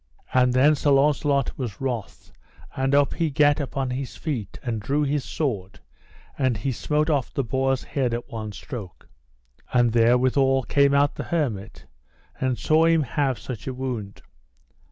And then Sir Launcelot was wroth, and up he gat upon his feet, and drew his sword, and he smote off the boar's head at one stroke. And therewithal came out the hermit, and saw him have such a wound.